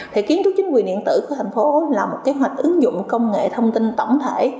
thì kiến trúc chính quyền điện tử của thành phố là một kế hoạch ứng dụng công nghệ thông tin tổng thể